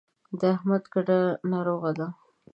د احمد کډه ناروغه ده.